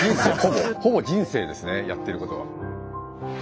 ほぼ人生ですねやってることは。